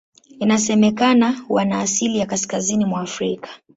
Inasemekana wana asili ya Kaskazini mwa Afrika.